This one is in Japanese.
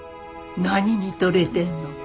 何見とれてんの？